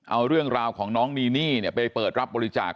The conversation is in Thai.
เอาเรื่องราวของน้องนีนี่ไปเปิดรับบริจาค